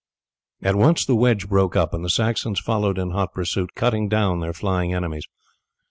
At once the wedge broke up, and the Saxons followed in hot pursuit, cutting down their flying enemies.